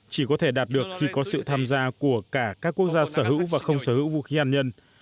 chỉ có thể đạt được khi có sự tham gia của cả các quốc gia sở hữu và không sở hữu vũ khí hạt nhân